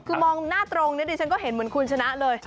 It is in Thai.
คือมองหน้าตรงนี้ดิฉันก็เห็นเหมือนคุณชนะเลย